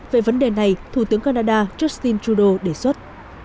về vấn đề này thủ tướng canada justin trudeau đề xuất